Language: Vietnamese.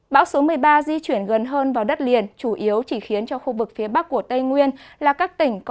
bão số một mươi ba di chuyển gần hơn vào đất liền chủ yếu chỉ khiến cho khu vực phía bắc của tây nguyên là các tỉnh